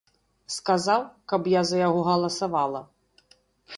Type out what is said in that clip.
Сказаў, каб я за яго галасавала.